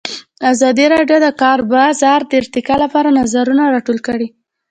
ازادي راډیو د د کار بازار د ارتقا لپاره نظرونه راټول کړي.